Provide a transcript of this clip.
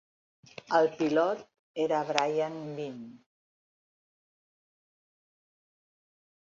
El pilot era Brian Binnie.